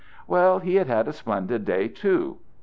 Well, he had had a splendid day, too.